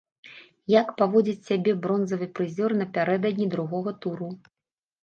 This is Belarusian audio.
Як паводзіць сябе бронзавы прызёр напярэдадні другога туру?